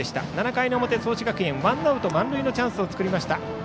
７回の裏、創志学園はワンアウト満塁のチャンスを作りました。